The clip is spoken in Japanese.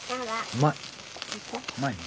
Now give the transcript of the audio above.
うまいね。